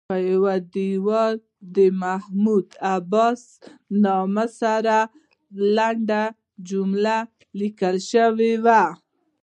پر یوه دیوال د محمود عباس نوم سره لنډه جمله لیکل شوې وه.